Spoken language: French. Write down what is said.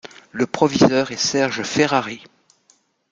Le proviseur est Serge Ferrari.